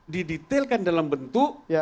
didetailkan dalam bentuk